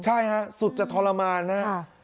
ใช่ฮะสุจใจทรมานนะอ่ะ